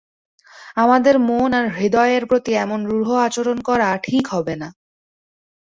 আমাদের মন আর হৃদয়ের প্রতি এমন রূঢ় আচরণ করা ঠিক হবেনা।